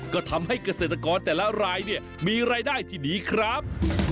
ก็ทำให้เกษตรกรแต่ละรายเนี่ยมีรายได้ที่ดีครับ